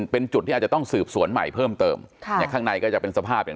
เป็นจุดที่อาจจะต้องสืบสวนใหม่เพิ่มเติมค่ะเนี่ยข้างในก็จะเป็นสภาพอย่าง